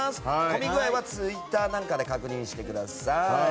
混み具合はツイッターなんかで確認してください。